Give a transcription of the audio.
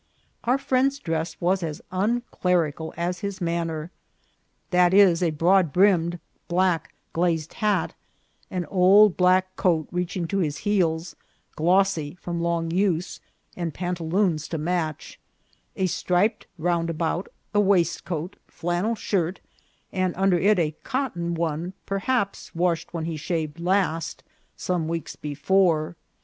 Our friend's dress was as unclerical as his manner, viz., a broad brimmed black glazed hat, an old black coat reaching to his heels, glossy from long use, and pantaloons to match ; a striped roundabout, a waistcoat, flannel shirt, and under it a cotton one, perhaps wash ed when he shaved last, some weeks before.